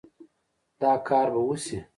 دا کار به وشي